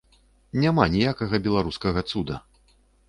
Няма ніякага беларускага цуда.